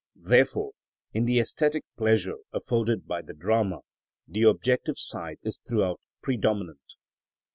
Therefore in the æsthetic pleasure afforded by the drama the objective side is throughout predominant.